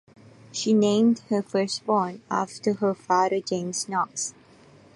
She named her firstborn after her father James Knox.